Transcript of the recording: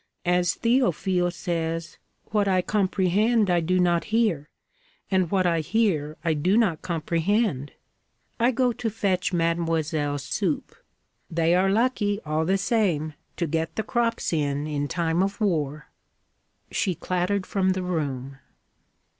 As Théophile says, what I comprehend I do not hear, and what I hear I do not comprehend. I go to fetch mademoiselle's soup. They are lucky, all the same, to get the crops in, in time of war.' She clattered from the room.